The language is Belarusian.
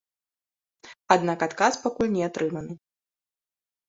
Аднак адказ пакуль не атрыманы.